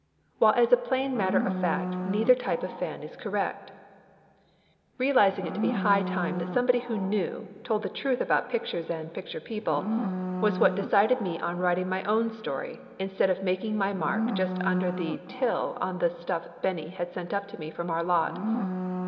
While as a plain matter of fact neither type of fan is correct. Realizing it to be high time somebody who knew told the truth about pictures and picture people was what decided me on writing my own story instead of mak ing my mark just under the Tille on the stuff Benny had sent up to me from our lot.